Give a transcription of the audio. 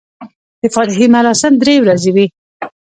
د فاتحې مراسم درې ورځې وي.